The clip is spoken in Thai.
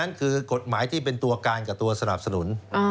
นั่นคือกฎหมายที่เป็นตัวการกับตัวสนับสนุน